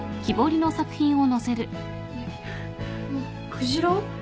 クジラ？